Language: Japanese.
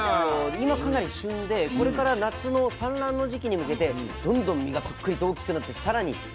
今かなり旬でこれから夏の産卵の時期に向けてどんどん身がぷっくりと大きくなって更にうまみも増してくるというような。